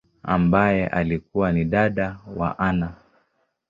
ambaye alikua ni dada wa Anna.